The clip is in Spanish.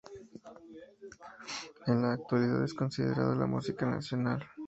En la actualidad es considerado la música nacional.